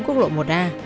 quốc lộ một a